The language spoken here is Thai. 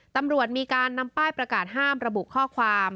ตำรวจมีการนำป้ายประกาศห้ามระบุข้อความ